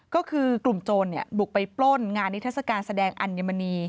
ก็คือกลุ่มโจรบุกไปปล้นงานนิทัศกาลแสดงอัญมณี